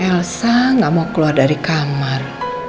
elsa nggak mau keluar dari kamar